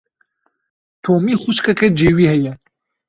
Tomî xwişkeke cêwî heye.